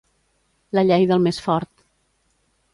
La llei del més fort.